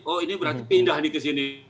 oh ini berarti pindah di kesini